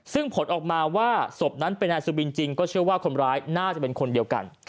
ซึ่งผลออกมาว่าศพนั้นเป็นนายสุบินจริงก็เชื่อว่าคนร้ายน่าจะเป็นคนเดียวกัน